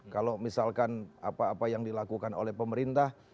kalau misalkan apa apa yang dilakukan oleh pemerintah